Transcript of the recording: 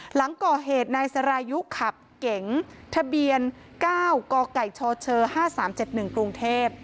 หลังก่อเหตุนายสรายุขับเก๋งทะเบียน๙กกชช๕๓๗๑กรุงเทพ